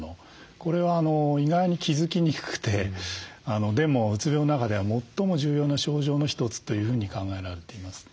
これは意外に気付きにくくてでもうつ病の中では最も重要な症状の一つというふうに考えられています。